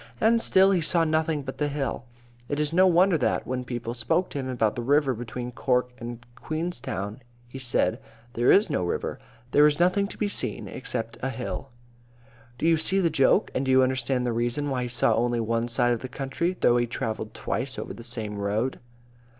And still he saw nothing but the hill. It is no wonder that, when people spoke to him about the river between Cork and Queenstown, he said, "There is no river. There is nothing to be seen except a hill." Do you see the joke? And do you understand the reason why he saw only one side of the country, though he travelled twice over the same road?